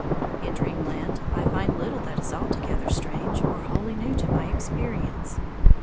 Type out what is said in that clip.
In Dreamland I find little that is altogether strange or wholly new to my experience.